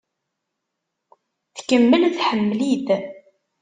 Tkemmel tḥemmel-it.